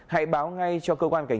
hãy báo ngay cho cơ quan phòng